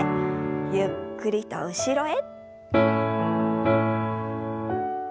ゆっくりと後ろへ。